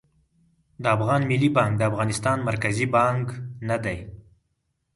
د افغان ملي بانک د افغانستان مرکزي بانک نه دي